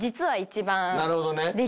なるほどね。